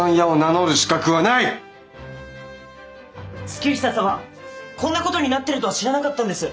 月下様こんなことになっているとは知らなかったんです！